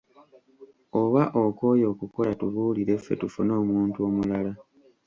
Oba okooye okukola tubuulire ffe tufune omuntu omulala.